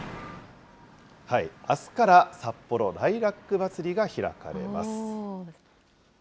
あすから、さっぽろライラックまつりが開かれます。